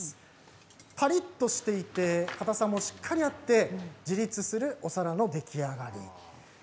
パリっとしていてかたさもしっかりあって自立するお皿の出来上がりです。